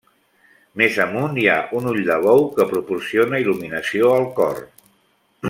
Més amunt hi ha un ull de bou que proporciona il·luminació al cor.